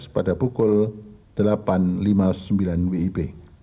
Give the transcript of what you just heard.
pada pukul delapan lima puluh sembilan wib